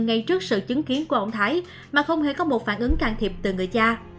ngay trước sự chứng kiến của ông thái mà không hề có một phản ứng can thiệp từ người cha